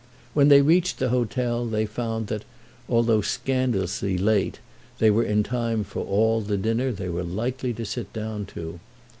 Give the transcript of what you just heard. When they reached the hotel they found that, though scandalously late, they were in time for all the dinner they were likely to sit down to.